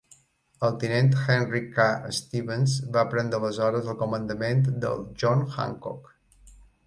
El tinent Henry K. Stevens va prendre aleshores el comandament del "John Hancock".